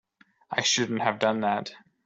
I shouldn't have done that.